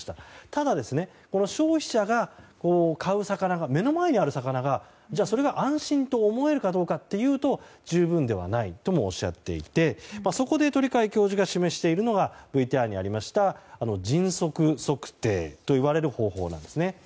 ただ、消費者が買う魚が、目の前にある魚が安心と思えるかどうかというと十分ではないともおっしゃっていてそこで鳥養教授が示しているのがＶＴＲにありました迅速測定といわれる方法なんですね。